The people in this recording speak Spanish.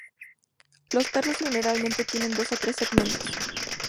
Los tarsos generalmente tienen dos o tres segmentos.